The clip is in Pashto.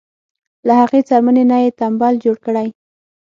له هغې څرمنې نه یې تمبل جوړ کړی.